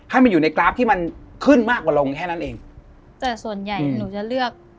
ให้มันอยู่ในกราฟที่มันขึ้นมากกว่าลงแค่นั้นเองแต่ส่วนใหญ่หนูจะเลือก